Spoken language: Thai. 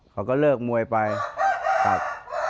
เขาก็เลิกมวยไปครับ